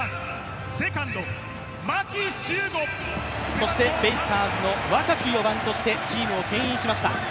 そしてベイスターズの若き４番としてチームをけん引しました。